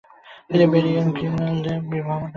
তিনি Mary Ann গ্রিন্ডালের সাথে বিবাহবন্ধনে আবদ্ধ হন।